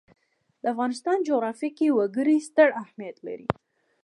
د افغانستان جغرافیه کې وګړي ستر اهمیت لري.